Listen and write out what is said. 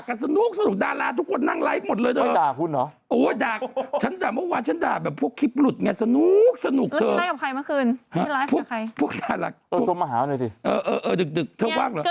พูดไม่ได้คือมันต้องจำก่อนว่าเขาบางทีเขาพูดอะไรบ้าง